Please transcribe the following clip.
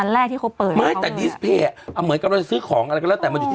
แรกที่เขาเปิดไม่แต่ดิสเพจอ่ะเหมือนกับเราจะซื้อของอะไรก็แล้วแต่มันอยู่ที่